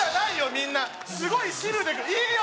みんなすごい汁でいいよ！